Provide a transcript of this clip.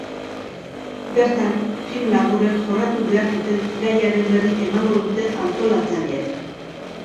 Bertan film laburrek jorratu behar duten gaiaren berri emango dute antolatzaileek.